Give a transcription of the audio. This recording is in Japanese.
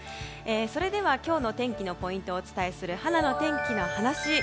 それでは今日の天気のポイントをお伝えするはなの天気のはなし。